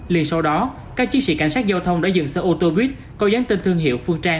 liền sau đó các chiến sĩ cảnh sát giao thông đã dừng xe ô tô buýt có dán tên thương hiệu phương trang